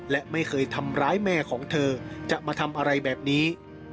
และไม่เคยทำร้ายแม่ของเธอจะมาทำอะไรแบบนี้